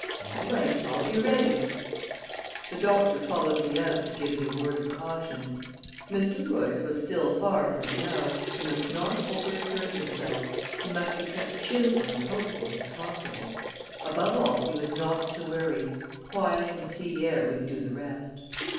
"All right; I'll be ready." The doctor followed me out to give me a word of caution. Mr. Royce was still far from well; he must not over exert himself; he must be kept cheerful and hopeful, if possible; above all, he was not to worry; quiet and sea air would do the rest.